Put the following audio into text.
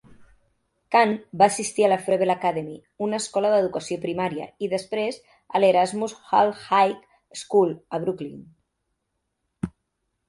Kahn va assistir a la Froebel Academy, una escola d'educació primària, i després a l'Erasmus Hall High School, a Brooklyn.